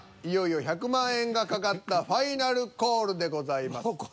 いよいよ１００万円が懸かったファイナルコールでございます。